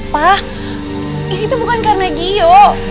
pak ini tuh bukan karena giyo